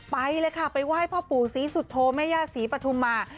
ไปเลยค่ะไปไหว้พ่อปู่ศรีสุโธแม่ย่าศรีปฐุมมา